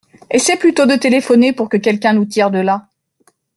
Essaie plutôt de téléphoner pour que quelqu’un nous tire de là!